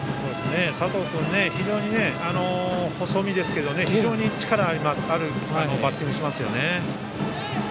佐藤君は非常に細身ですけど、力があるバッティングをしますね。